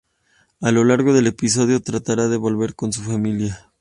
A lo largo del episodio tratará de volver con su familia como sea.